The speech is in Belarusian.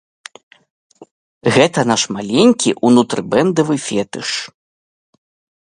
Гэта наш маленькі унутрыбэндавы фетыш.